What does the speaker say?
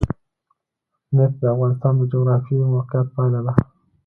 نفت د افغانستان د جغرافیایي موقیعت پایله ده.